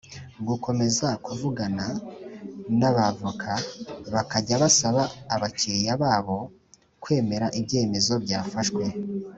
gukomeza kuvugana n’abavoka bakajya basaba abakiriya babo kwemera ibyemezo byafashwe